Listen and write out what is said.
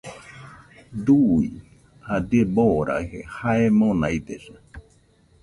Dui jadie boraji jae monaidesa